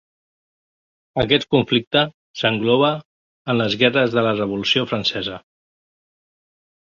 Aquest conflicte s'engloba en les Guerres de la Revolució Francesa.